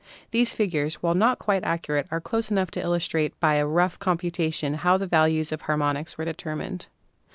(These figures, while not quite accurate, are close enough to illustrate by a rough computation how the values of harmonics were determined.)